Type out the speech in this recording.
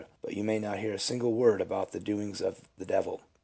but you may not hear a single word about the doings of the devil.